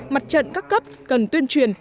mặt trận các cấp cần tuyên truyền